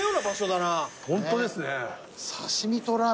ホントですね。